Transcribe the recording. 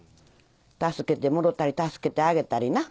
助けてもろたり助けてあげたりな。